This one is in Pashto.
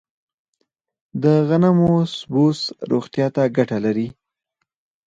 د غنمو سبوس روغتیا ته ګټه لري.